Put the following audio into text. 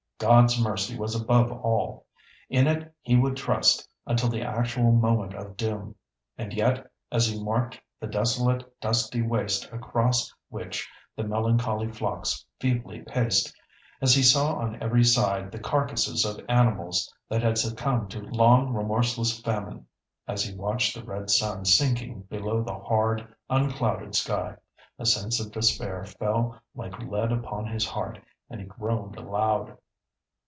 God's mercy was above all. In it he would trust until the actual moment of doom. And yet, as he marked the desolate, dusty waste across which the melancholy flocks feebly paced; as he saw on every side the carcases of animals that had succumbed to long remorseless famine; as he watched the red sun sinking below the hard, unclouded sky, a sense of despair fell like lead upon his heart, and he groaned aloud.